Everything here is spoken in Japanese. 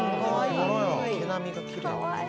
毛並みがきれい。